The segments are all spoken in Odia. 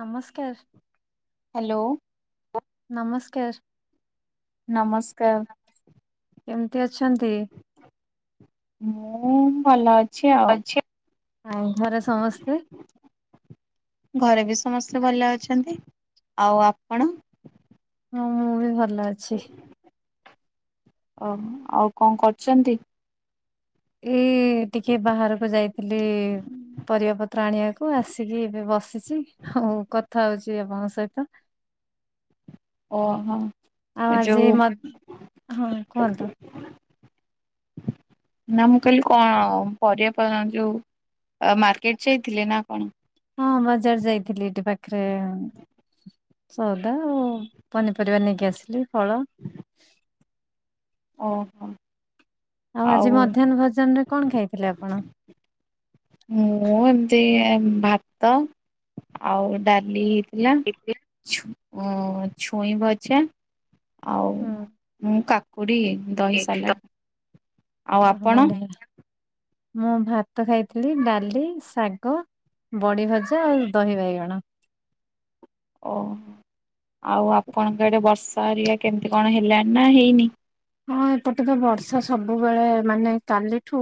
ନମସ୍କାର। ହ୍ୟାଲୋ। ନମସ୍କାର। ନମସ୍କାର। କେମିତି ଅଛନ୍ତି। ମୁଁ ଭଲ ଅ ଅଛି ଆଉ ଘରେ ସମସ୍ତେ। ଘରେ ବି ସମସ୍ତେ ଭଲ ଅଛନ୍ତି। ଆଉ ଆପଣ। ହଁ ମୁଁ ବି ଭଲ ଅଛି। ଓ ଆଉ କଣ କରୁଛନ୍ତି? ଏଇ ଟିକେ ବାହାରକୁ ଯାଇଥିଲି। ପରିବା ପତ୍ର ଆଣିବାକୁ ଆସିକି ଏବେ ବସିଛି। ହଉ କଥା ହଉଛି ଆପଣଙ୍କ ସହିତ। ଓହୋ ଆଉ ଆଜି ଯୋଉ ମ ହଁ କୁହନ୍ତୁ ନା ମୁଁ କହିଲି କଣ ପରିବା ପା ଯୋଉ। ଆ ମାର୍କେଟ ଯାଇଥିଲେ ନା କଣ? ହଁ ବଜାର ଯାଇଥିଲି ଏଠି ପାଖରେ। ସଉଦା ଆଉ ପନିପରିବା ନେଇକି ଆସିଲି ଫଳ। ଓହୋ। ଆଉ ଆଜି ମଧ୍ୟାହ୍ନ ଭୋଜନ ରେ କଣ ଖାଇଥିଲେ ଆପଣ? ମୁଁ ଏମିତି ଭାତ, ଆଉ ଡାଲି ହେଇଥିଲା। ଏ ଛୁ ଛୁଇଁ ଭଜା ଆଉ। ହୁଁ। ମୁଁ କାକୁଡି ଦହି ଏକ ତ ସାଲାଡ଼ ଆଉ ଓହୋ ଆପଣ। ବଢିଆ ମୁଁ ଭାତ ଖାଇଥିଲି। ଡାଲି, ଶାଗ, ବଢ଼ି ଭଜା, ଆଉ ଦହି ବାଇଗଣ। ଓୋ ଆଉ ଆପଣଙ୍କ ଆଡେ ବର୍ଷା ହେରିଆ କେମିତି କଣ ହେଲାଣି ନା ହେଇନି? ହଁ ଏପଟେ ତ ବର୍ଷା ସବୁବେଳେ ମାନେ କାଲିଠୁ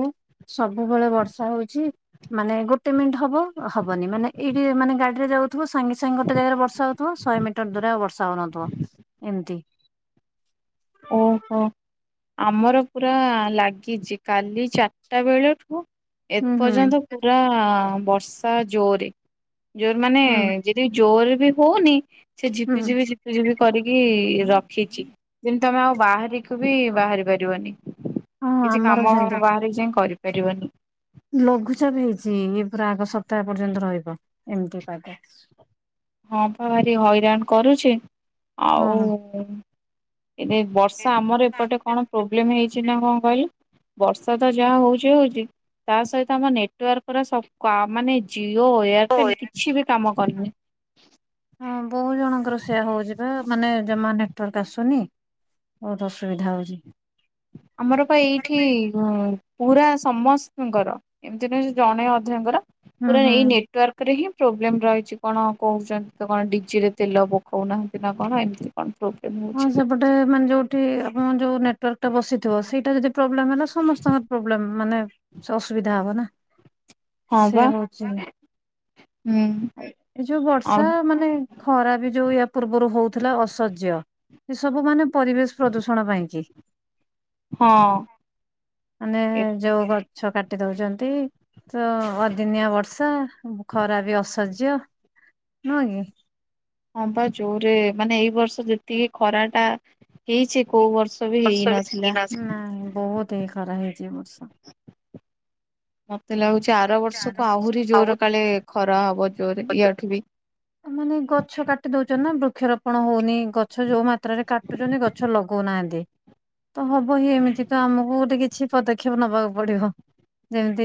ସବୁବେଳେ ବର୍ଷା ହଉଛି। ମାନେ ଗୋଟେ ମିନିଟ ହବ ହବନି ମାନେ ଏଇଠି ମାନେ ଗାଡିରେ ଯାଉଥିବ ସାଙ୍ଗେ ସାଙ୍ଗେ ଗୋଟେ ଜାଗାରେ ବର୍ଷା ହଉଥ ଶହେ ମିଟର ଦୂରେ ବର୍ଷା ହଉନଥିବ ଏମିତି। ଓହୋ। ଆମର ପୁରା ଲାଗିଛି କାଲି ଚାରିଟା ବେଳଠୁ ଏ ହୁଁ ହୁଁ ପର୍ଯ୍ୟନ୍ତ ପୁରା ବର୍ଷା ଜୋରେ ଜୋରେ ମାନେ ହୁଁ ଯ ଜୋର ବି ହଉନି ସେ ଝିପି ହୁଁ। ଝିପି ଝିପିଝିପି କରିକି ରଖିଛି। ଯିମିତି ତମେ ଆଉ ବାହାରିକୁୁ ବି ବାହାରି ପାରିବନି। ହଁ କିଛି ଆମର ବି କାମ ସେମିତି ଫାମ ବାହାରିକି ଯାଇ କରିପାରିବନି। ଲଘୁଚାପ ହେଇଛି ଇଏ ପୁରା ଆଗ ସପ୍ତାହ ପର୍ଯ୍ୟନ୍ତ ରହିବ ଏମିତି ପାଗ। ହଁ ବା ଭାରି ହଇରାଣ କରୁଛି ହଁ ଆଉ ହଁ। ଏବେ ବର୍ଷା ଆମର ଏପଟେ କଣ ପ୍ରୋବ୍ଲେମ ହେଇଛି ନା କଣ ପାଇଁ? ବର୍ଷା ତ ଯାହା ହଉଛି ହଉଛି ତା ସହିତ ଆମ ନେଟୱାର୍କ ପୁରା ସବ ପା ମାନେ ଜିଓ ଏୟାରଟେଲ କିଛି ବି କାମ କରୁନି। ହଁ ବହୁ ଜଣଙ୍କର ସେୟା ହଉଛି ବା ମାନେ ଜମା ନେଟୱର୍କ ଆସୁ ଶୁନି ବହୁତ ଅସୁବିଧା ହଉଛି। ଆମର ବା ଏଇଠି ହଁ ପୁରା ସମସ୍ତଙ୍କର ଏମତି ନୁହେଁ ଜଣେ ଅଧେଙ୍କର ହୁଁ ପୁରା ହୁଁ। ଏଇ ନେଟୱର୍କ ତାରେ ହିଁ ପ୍ରୋବ୍ଲେମ ରହିଛି କଣ କହୁଛନ୍ତି ତ କଣ ଡିଜି ରେ ତେଲ ପକାଉନାହାଁନ୍ତି ନା କଣ ଏମିତି। କଣ ପ୍ରୋବ୍ଲେମ୍ ହଉଛି। ରେ ମାନେ ଯୋଉଠି ଆ ଯଉ ନେଟାର୍କଟା ବସିଥିବ ସେଇଟା ଯଦି ପ୍ରୋବ୍ଲେଲ ହେଲା ସମସ୍ତଙ୍କର ପ୍ରୋବ୍ଲେମ ମାନେ ସେ ଅସୁବିଧା ହବ ନା ହଁ ବା ସେ ହଉଛି ହୁଁ ଏ ଯୋଉ ଆଉ ବର୍ଷା ମାନେ ଖରା ବି ଯୋଉ ୟା ପୂର୍ବରୁ ହଉଥିଲା ଅସଯ୍ୟ। ଏ ସବୁ ମାନେ ପରିବେଶ ପ୍ରଦୂଷଣ ପାଇଁ କି। ହଁ। ମାନେ ଯୋଉ ଗଛ କାଟି ଦଉଛନ୍ତି। ତ ଅଦିନିଆ ବର୍ଷା ଖରା ବି ଅସଯ୍ୟ ନୁହଁ କି? ହଁ ବା ଯୋରେ ମାନେ ଏଇ ବର୍ଷ ଯେତିକି ଖରା ଟା ହେଇଛି କୋଉ ବର୍ଷ ବି ହେଇ ନଥିଲା। ହ ବହୁତ ଏ ଖରା ହେଇଛି ଵର୍ଷା ମତେ ଲାଗୁଚ ଆର ବର୍ଷ କୁ ଆହୁରି ଜୋର କାଳେ ଖରା ହବ ଜୋର ଆଠୁ ବି। ମାନେ ଗଛ କାଟି ଦଉଛ ନା ବୃକ୍ଷରୋପଣ ହଉନି ଗଛ ଯୋଉ ମାତ୍ରାରେ କାଟୁଛନ୍ତି ଗ ଛ ଲଗଉନାହାନ୍ତି। ତ ହବ ହି ଏମିତି ତ ଆମକୁ ଗୋଟେ କିଛି ପଦକ୍ଷେପ ନବାକୁ ପଡିବ। ଯେମିତି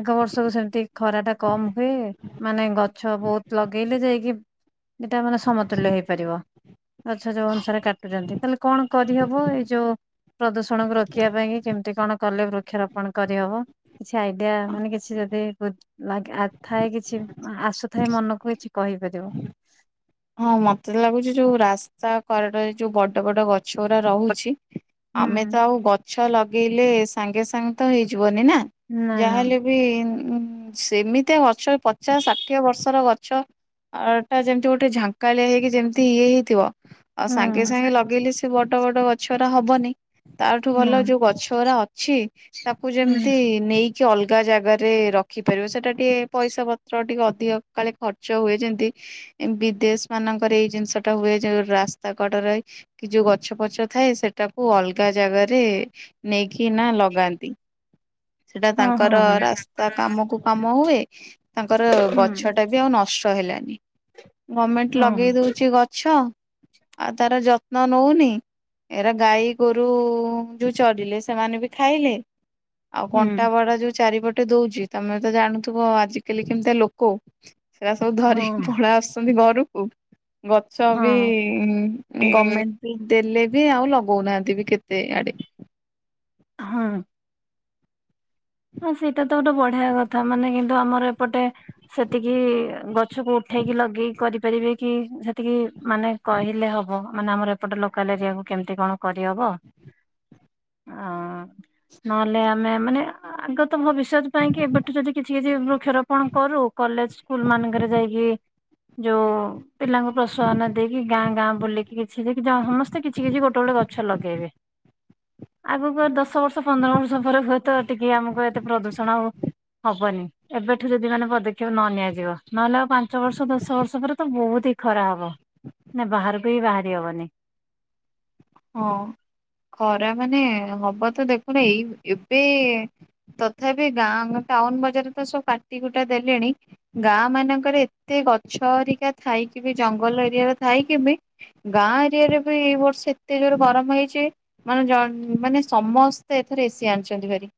ଆଗ ବର୍ଷକୁ ସେମିତି ଖରା ଟା କମ ହୁଏ ମାନେ ଗଛ ବହୁତ ଲଗେଇଲେ ଯାଇକି ଏଇଟା ମାନେ ସମତୁଲ୍ୟ ହେଇପାରିବ। ଆଚ୍ଛା ଯୋଉ ଅନୁସାରେ କାଟୁଛନ୍ତି ତାହେଲେ କଣ କରିହବ ଏ ଯୋ ପ୍ରଦୂଷଣକୁ ରୋକିବା ପାଇଁ କେମିତି କଣ କଲେ ବୃକ୍ଷରୋପ କଣ କରିହବ କିଛି ଆଇଡିଆ ମାନେ କିଛି ଯଦି ଥାଏ କିଛି ଆସୁଥାଏ ମନକୁ କିଛି କହିପାରିବ। ହଁ ମତେ ଲାଗୁଛି ଯୋଉ ରାସ୍ତା କଡରେ ଯୋଉ ବଡ ବଡ ଗଛ ଗୁରା ରହୁଛି ଆମେ ହୁଁ। ତ ଆଉ ଗଛ ଲଗେଇଲେ ସାଙ୍ଗେ ସାଙ୍ଗେ ତ ହେଇଯିବନି ନା? ନା ନା ଯାହାହେଲେ ବି ଉ ସେମିତିଆ ଗଛ ପଚାଶ ଷାଠିଏ ବର୍ଷର ଗଛ ଅ ଟା ଯେମିତି ଗୋଟେ ଗୋଟେ ଝାଙ୍କାଳିଆ ହେଇକି ଯେମିତି ଇଏ ହେଇଥିବ ଆଉ ସାଙ୍ଗେ ହୁଁ ସାଙ୍ଗେ ଲଗେଇଲେ ସେ ବଡ ବଡ ଗଛଗରା ହବନି। ତାଠୁ ଭଲ ନା ଯୋଉ ଗଛ ଗଡା ଅଛି ତାକୁ ହୁଁ ଯେମିତି ନେଇ କି ଅଲଗା ଜାଗାରେ ରଖିପାରିବ ସେଟା ଟିକେ ପଇସା ପତ୍ର ଟିକେ ଅଧିକ କାଳେ ଖର୍ଚ୍ଚ ହୁଏ ଯେମିତି। ବିଦେଶ ମାନଙ୍କର ଏଇ ଜିନିଷଟା ହୁଏ ଯେଉଁ ରାସ୍ତା କଡ଼ରେ କି ଯୋଉ ଗଛ ପଛ ଥାଏ ସେଟାକୁ ଅଲଗା ଜାଗାରେ ନେଇକି ନା ଲଗାନ୍ତି। ସେଟା ହଁ ତାଙ୍କର ହଁ ହଁ ରାସ୍ତା କାମକୁ କାମ ହୁଏ ତାଙ୍କର ହୁଁ। ଗଛଟା ବି ବି ଆଉ ନଷ୍ଟ ହେଲାନି। ଗମେଣ୍ଟ ହଁ ଲଗେଇ ଦଉଛି ଗଛ ଆଉ ତାର ଯତ୍ନ ନଉନି। ଏରା ଗାଈ ଗୋରୁ ଯୋଉ ଚଳିଲେ ସେମାନେ ବି ଖାଇଲେ। ଆଉ ହୁଁ କଣ୍ଟା ବାଡ ଯୋଉ ଚାରିପଟେ ଦଉଛି। ତମେ ତ ଜାଣୁଥିବ ଆଜିକାଲି କେମିତି ଲୋକ ସେଟା ସବୁ ହଁ ଧରିକି ଆସଛନ୍ତି ଘରକୁ ଗଛ ବି ହଁ ଗମେଣ୍ଟ ଦେଲେ ବି ଆଉ ଲଗଉନାହାନ୍ତି ବି କେତେ ଆଡେ। ହଁ। ହଁ ସେଇଟା ତ ଗୋଟେ ବଢିଆ କଥା ମାନେ କିନ୍ତୁ ଆମର ଏପଟେ। ସେତିକି ଗଛକୁ ଉଠେଇକି ଲଗେଇକି କରିପାରିବେ କି ସେତିକି ମାନେ କହିଲେ ହବ ମାନେ ଆମର ଏପଟେ ଲୋକାଲ ଏରିଆକୁ କେମିତି କଣ କରିହବ? ଁ ଓ ନହେଲେ ଆମେ ମାନେ ଆଗତ ଭବିଷ୍ୟତ ପାଇଁ କି ଏବେଠୁ ଯଦି କିଛି କିଛି ବୃକ୍ଷରୋପଣ କରୁ କଲେଜ ସ୍କୁଲ ମାନଙ୍କରେ ଯାଇକି। ଯୋଉ ପିଲାଙ୍କୁ ପ୍ରୋତ୍ସାହନ ଦେଇକି ଗାଁ ଗାଁ ବୁଲିକି। କିଛି ସମସ୍ତେ କିଛି କିଛି ଗୋଟେ ଗୋଟେ ଗଛ ଲଗେଇବେ। ଆଗକୁ ଦଶ ବର୍ଷ ପନ୍ଦର ବର୍ଷ ପରେ ହୁଏତ ଟିକେ ଆମକୁ ଏତେ ପ୍ରଦୂଷଣ ହଉ ହବନି। ଏବେଠୁ ଯଦି ମାନେ ପଦକ୍ଷେପ ନ ନିଆଯିବ ନହେଲେ ଆଉ ପାଞ୍ଚ ବର୍ଷ ଦଶ ବର୍ଷ ପରେ ତ ବହୁତ ହି ଖରା ହବ? ନା ବାହାରକୁ ହିଁ ବାହାରି ହବନି। ହଁ ଖରା ମାନେ ହବ ତ ଦେଖୁନ ଏଇ ଏବେ ତଥାପି ଗାଁ ଗୋ ଟାଉନ ବଜାର ତ ସବୁ କାଟି କୁଟା ଦେଲେଣି। ଗାଁ ମାନଙ୍କରେ ଏତେ ଗଛହରିକା ଥାଇ କି ବି ଜଙ୍ଗଲ ଏରିଆର ଥାଇ କି ବି ଗାଁ ଏରିଆରେ ବି ଏଇ ବର୍ଷ ଏ ଏତେ ଜୋରେ ଗରମ ହେଇଚି, ମାନେ ଜ ମାନେ ସମସ୍ତେ ଏଥର ଏସି ଆଣିଚନ୍ତି ଭାରି।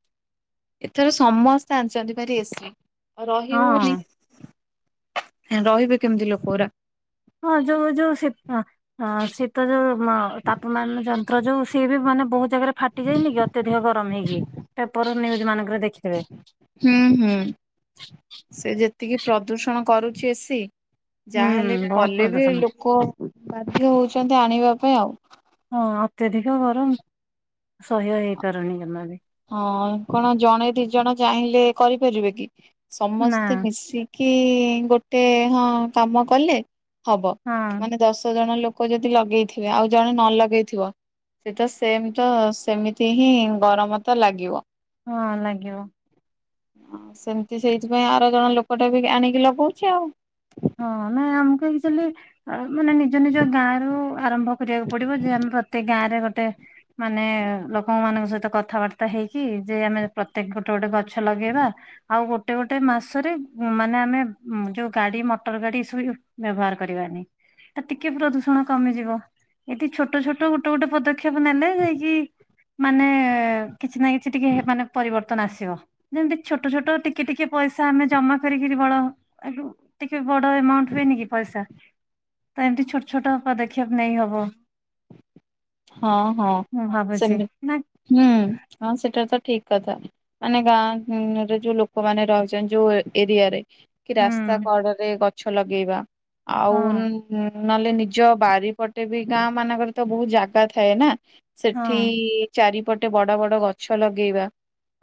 ଏଥର ସମସ୍ତେ ଆଣିଛନ୍ତି ଭାରି ଏସିି। ଆଉ ରହି ହଉନି, ହଁ ରହିବେ କେମିତି ଲୋକ ଗୁରା? ହଁ ଯୋଉ ଯୋଉ ଶତ ଶୀତ ଯୋଉ ମ ତାପମାନ ଯନ୍ତ୍ର ଯୋଉ ସିଏ ବି ମାନେ ବହୁତ ଜାଗାରେ ଫା ଫାଟି ଯାଇନି କି ଅତ୍ୟଧିକ ଗରମ ହେଇକି, ପେପର ନ୍ୟୁଜ୍ ମାନଙ୍କରେ ଦେଖି ହୁଁ ହୁଁ, ସେ ଯେତିକି ପ୍ରଦୂଷଣ କରୁଛି ଏସି ହୁଁ ଯାହାହେଲେ ବି ବହୁତ କଲେ ବି ପ୍ରଦୂଷଣ ଲୋକ ବାଧ୍ୟ ହଉଛନ୍ତି, ଆଣିବା ପାଇଁ ଆଉ ହଁ ଅତ୍ୟଧିକ ଗରମ ସହ୍ୟ ହେଇପାରୁନି, ଜମା ବି ହଁ କଣ ଜଣେ ଦି ଜଣ ଚାହିଁଲେ କରିପାରିବେ କି, ନା ସମସ୍ତେ ମିଶି କି ଗୋଟେ ହଁ କାମ କଲେ ହବ, ହଁ ମାନେ ଦଶ ଜଣ ଲୋକ କୁ ଯଦି ଲଗେଇଥିବେ, ଆଉ ଜଣେ ନ ଲଗେଇଥିବ ସେଇଟା ସେମ ତ ସେମିତି ହିଁ ଗରମ ତ ଲାଗିବ। ହଁ ଲାଗିବ। ହଁ ସେମିତି ସେଇଥିପାଇଁ ଆର ଗାଁ ଲୋକଟା ବି ଆଣିକି ଲଗଉଛି, ଆଉ। ହଁ ନା ଆମକୁ ଆକ୍ଚୁଆଲି ମାନେ ନିଜ ନିଜ ଗାଁ ରୁ ଆରମ୍ଭ କରିବାକୁ ପଡିବ, ଯେ ଆମେ ପ୍ରତି ଗାଁ ରେ ଗୋଟେ ମାନେ ଲୋକ ମାନଙ୍କ ସହିତ କଥାବାର୍ତ୍ତା ହେଇକି, ଯେ ଆମେ ପ୍ରତ୍ୟେକ ଗୋଟେ ଗୋଟେ ଗଛ ଗଛ ଲଗେଇବା, ଆଉ ଗୋଟେ ଗୋଟେ ମାସରେ ମାନେ ଆମେ ଯଉ ଗାଡି ମ ମଟର ଗାଡି ଏ ସବୁ ବ୍ୟବହାର କରିବାନେହିଁ, ତ ଟିକିଏ ପ୍ରଦୂଷଣ କମିଯିବ। ଏଠି ଛୋଟ ଛୋଟ ଗୋଟେ ଗୋଟେ ପଦକ୍ଷେପ ନେଲେ, ଯାଇକି ମାନେ କିଛି ନା କିଛି ଟିକେ ମାନେ ପରିବର୍ତ୍ତ ତନ ଆସିବ, ଯେମତି ଛୋଟ ଛୋଟ ଟିକେ ଟିକେ ପଇସା ଆମେ ଜମା କରିକିରି ବଳ ଆସୁ। କେ ବଡ ଏମାଉଣ୍ଟୁ ହୁଏନି କି ପଇସା, ତ ଏମିତି ଛୋଟ ଛୋଟ ପଦକ୍ଷେପ୍ ନେଇ ହବ। ହଁ, ମୁ ସେମିତି ଭାବୁଛି, ନା ହୁଁ, ହଁ ସେଟା ତ ଠିକ୍ କଥା। ମାନେ ଗାଁରେ ଯୋଉ ଲୋକମାନେ ରହିଚନ୍ତି, ଯୋଉ ଏରିଆ ରେ। କି ହୁଁ ରାସ୍ତା କଡରେ ଗଛ ଲଗେଇବା। ଆଉ ହଁ ନହେଲେ ନିଜ ବାରିପଟେ ବି ଗାଁ ମାନଙ୍କରେ ତ ବହୁତ୍ ଜା ଗା ଥାଏ ନା, ହଁ ସେଠି ଚାରିପଟେ ବଡ ବଡ ଗଛ ଲଗେଇବା।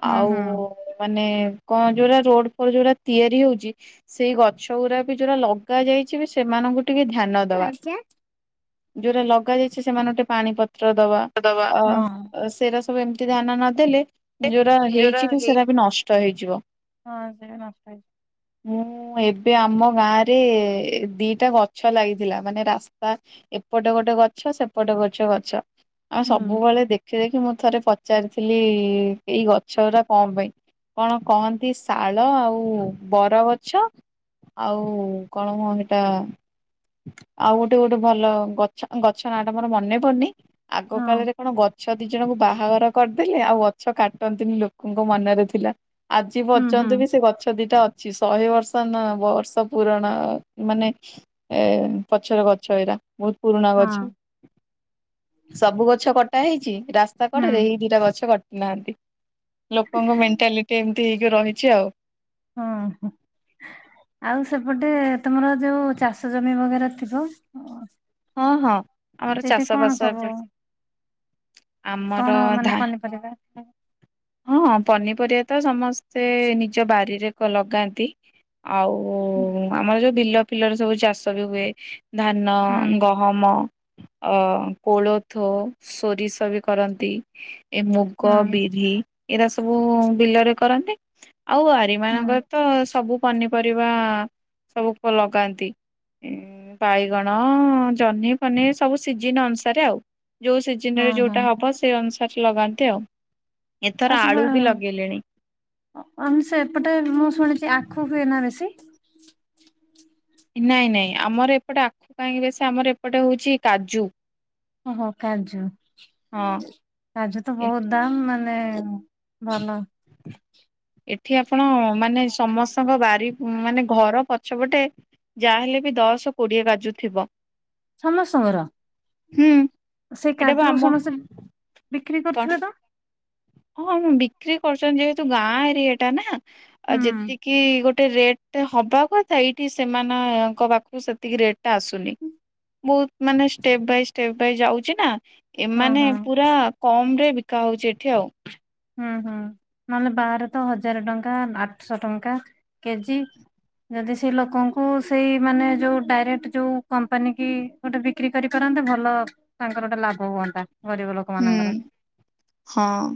ହୁଁ ଆଉ ହୁଁ ମାନେ କଣ ଯୋଉରା ରୋଡ ଫୋଡ଼ ଯୋଉରା ତିଆରି ହୋଉଚି। ସେଇ ଗଛ ଗୁରା ବି ଯୋଉରା ଲଗା ଯାଇଚି ବି ସେମାନଙ୍କୁ ଟିକେ ଧ୍ୟାନ ଦବା, ଆଜ୍ଞା ଯୋଉରା ଲଗା ଯାଇଛି ସେମାନଙ୍କୁ ଟିକେ ପାଣିପତ୍ର ଦବା। ହଁ ଅ ସେରା ସବୁ ଏମିତି ଧ୍ୟାନ ନଦେଲେ ଯୋଉରା ହେଇଚି ବି ସେରା ବି ନଷ୍ଟ। ନଷ୍ଟ ହେଇଯିବ। ହଁ ସେ ନଷ୍ଟହେ ହୁଁ। ହଁ, ଏବେ ଆମ ଗାଁ ରେ ଦିଟା ଗଛ ଲାଗିଥିଲା, ମାନେ ରାସ୍ତା ଏପଟେ ଗୋଟେ ଗଛ ସେପଟେ ଗଛ ଗଛ ଆଉ ହୁଁ ସବୁବେଳେ ଦେଖି ଦେଖି ମୋ ଥରେ ପଚାରିଥିଲି, ଏଇ ଗଛ ଗୁରା କଣ ପାଇଁ? କଣ କହନ୍ତି, ଶାଳ ଆଉ ବରଗଛ। ଆଉ କଣ ହୁଅ, ହେଟା ଆଉ ଗୋଟେ ଗୋଟେ ଭଲ ଗଛ ଗଛ ନାଁଟା ମୋର ମନେ ବନେ, ଆଗ ହଁ କାଳରେ କଣ ଗଛ ଦି ଜଣଙ୍କୁ ବାହାଘର କରୁଥୁଲେ, ଆଉ ଗଛ କାଟନ୍ତିନି ଲୋକଙ୍କ ମନରେ ଥିଲା। ଆଜି ହୁଁ ହୁଁ ପର୍ଯ୍ୟନ୍ତ ବି ସେ ଗଛ ଦିଟା ଅ ଅଛି ଶହେ ବର୍ଷ ନ ବର୍ଷ ପୁରଣ ମାନେ ଏ ପଛର ଗଛ ଏଇରା ବହୁତ୍ ପୁରୁଣା ହଁ ଗଛ। ସବୁ ଗଛ କଟା ହେଇଚି ରାସ୍ତା ହୁଁ କଡରେ ଏଇ ଦିଟା ଗଛ କାଟି ନାହାନ୍ତି। ଲୋକଙ୍କ ମେଣ୍ଟାଲିଟି ଏମିତି ହେଇକି ରହିଛି ଆଉ। ହଁ ହଁ ଆଉ ସେପଟେ ତମର ଯୋଉ ଚାଷ ଜମି ବଗରା ଥିବ? ହଁ ହଁ ଆମର ସେଇଠି ଚାଷ କଣ ବାସ ସବୁ ଏପଟେ ଆମର କଣ ମାନେ ଧା ପନିପରିବା? ହଁ ପନିପରିବା ତ ସମସ୍ତେ ନିଜ ବାରିରେ ଲଗାନ୍ତି। ଆଉ ହୁଁ ଆମର ଯୋଉ ବିଲ ଫିଲରେ ସବୁ ଚାଷ ବି ହୁଏ ଧାନ। ହୁଁ ଗହମ ଅ କୋଳଥ, ସୋରିଷ ବି କରନ୍ତି। ଏ ମୁଗ, ହୁଁ ବିରି ଏରା ସବୁ ବିଲରେ କରନ୍ତି। ଆଉ ଆରି ହଁ ମାନଙ୍କର ତ ସବୁ। ପନିପରିବା ସବୁ ଲଗାନ୍ତି ବାଇଗଣ ଜହ୍ନି ଫନି ସବୁ ସିଜିନ ଅନୁସାରେ ଆଉ ଯୋଉ ସିଜିନ ରେ ହଁ ଯୋଉଟା ହବ ସେ ଅନୁସାରେ ଗଛେ ଲଗାନ୍ତି ଆଉ। ଏଥର ଆଳୁ ବି ଲଗେଇଲେଣି। ଆମ ସେପଟେ ମୁଁ ଶୁଣିଛି ଆଖୁ ହୁଏ ନା ବେଶୀ? ନାଇଁ ନାଇଁ ଆମର ଏପଟେ ଆଖୁ କାହିଁକି ବେଶି ଆମର ଏପଟେ ହଉଛି କାଜୁ ଓହୋ କାଜୁ ହଁ କାଜୁ ତ ଏ ବହୁତ ଦାମ ମାନେ ଭଲ। ଏଠି ଆପଣ ମାନେ ସମସ୍ତଙ୍କ ବାରି ମାନେ ଘର ପଛପଟେ ଯାହାହେଲେ ବି ଦଶ, କୋଡିଏ କାଜୁ ଥିବ। ସମସ୍ତଙ୍କର ହୁଁ ସେଇ ଏଇଟା ବା କାଜୁ ଆମ ସମସ୍ତେ ବିକ୍ରି କଣ କରୁଥିବେ ତ? ହଁ ମୁଁ ବିକ୍ରି କରୁଛନ୍ତି ଯେହେତୁ ଗାଁ ଏରିଆ ଟା ନା ହୁଁ ଆଉ ଯେତିକି ଗୋଟ ଗୋଟେ ରେଟେ ହବା କଥା ଏଇଠି ସେମାନଙ୍କ ପାଖକୁ ସେତିକି ରେଟେ ଟା ଆସୁନି। ବହୁତ ମାନେ ଷ୍ଟେପ ବାଇ ଷ୍ଟେପ ବାଇ ଯାଉଛି ନା। ହଁ ଏମାନେେ ହଁ ପୁରା କମରେ ବିକା ହଉଚି ଏଠି ଆଉ। ହୁଁ ହୁଁ ନହେଲେ ବାହାରେ ତ ହଜାର ଟଙ୍କା ଆଠଶହ ଟଙ୍କା କେଜି ଯଦି ସେ ଲୋକଙ୍କୁ ସେଇ ମାନେ ଯୋଉ ଡାଇରେକ୍ଟ ଯୋଉ କମ୍ପାନୀ କି ଗୋଟେ ବିକ୍ରି କରିପାରନ୍ତେ ଭଲ ତାଙ୍କର ଗୋଟେ ଲାଭ ହୁଅନ୍ତା ଗରିବ ଲୋକ ହୁଁ ମାନଙ୍କର ହଁ।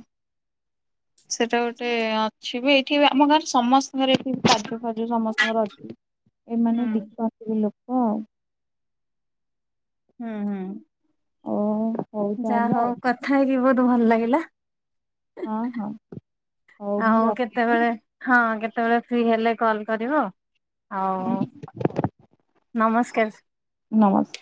ସେଟା ଗୋଟେ ଅଛି ବି ଏଇଠି ଆମ ଗାଁରେ ସମସ୍ ରେ ଏଠି କାଜୁ ଫାଜୁ ସମସ୍ତଙ୍କର ଅଛି ହୁଁ ଏମାନେ ବିକନ୍ତି ଲୋକ ହୁଁ ହୁଁ। ଓ ହଉ ଯାହା ତାହେଲେ ଆଉ ହଉ କଥା ହେଇକି ବହୁତ ଭଲ ଲାଗିଲା। ହଁ ହଁ ହଉ ମୁଁ ଆଉ ରଖିଲି କେତେବେଳେ ହଁ କେତେବେଳେ ଫ୍ରି ହେଲେ କଲ କରିବ ଆଉ। ଆଉ ନମସ୍କାର। ନମସ୍କାର।